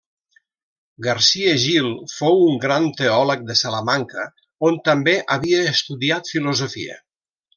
Garcia Gil fou un gran teòleg de Salamanca, on també havia estudiat filosofia.